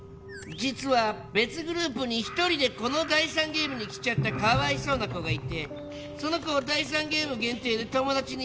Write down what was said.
実は別グループに一人でこの第３ゲームに来ちゃったかわいそうな子がいてその子を第３ゲーム限定で友達にしてみない？